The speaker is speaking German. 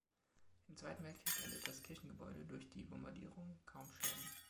Im Zweiten Weltkrieg erlitt das Kirchengebäude durch die Bombardierung kaum Schäden.